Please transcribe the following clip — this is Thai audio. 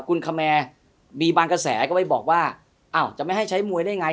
คุณคแมร์มีบางกระแสก็ไปบอกว่าอ้าวจะไม่ให้ใช้มวยได้ไง